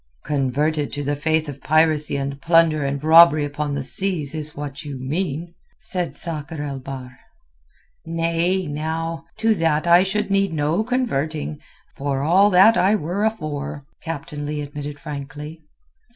"Converted to the faith of piracy and plunder and robbery upon the seas is what you mean," said Sakr el Bahr. "Nay, now. To that I should need no converting, for all that I were afore," Captain Leigh admitted frankly.